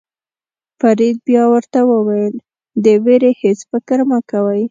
فرید بیا ورته وویل د وېرې هېڅ فکر مه کوئ.